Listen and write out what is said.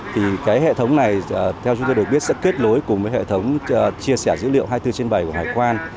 thì cái hệ thống này theo chúng tôi được biết sẽ kết nối cùng với hệ thống chia sẻ dữ liệu hai mươi bốn trên bảy của hải quan